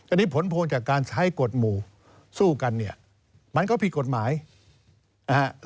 อันนี้ผลพวงจากการใช้กฎหมู่สู้กันเนี่ยมันก็ผิดกฎหมายนะฮะ